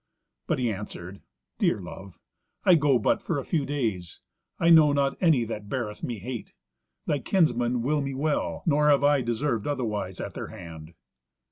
But he answered, "Dear love, I go but for a few days. I know not any that beareth me hate. Thy kinsmen will me well, nor have I deserved otherwise at their hand."